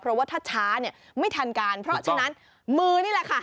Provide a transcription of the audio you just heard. เพราะว่าถ้าช้าเนี่ยไม่ทันการเพราะฉะนั้นมือนี่แหละค่ะ